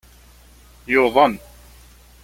Yuḍen.